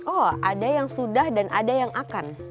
oh ada yang sudah dan ada yang akan